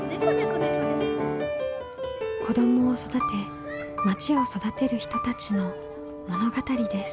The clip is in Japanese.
子どもを育てまちを育てる人たちの物語です。